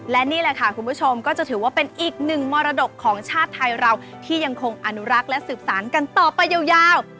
และนี่แหละค่ะคุณผู้ชมก็จะถือว่าเป็นอีกหนึ่งมรดกของชาติไทยเราที่ยังคงอนุรักษ์และสืบสารกันต่อไปยาว